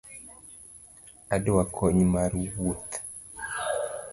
Adwa kony mar wuoth.